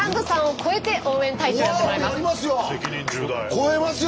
超えますよ！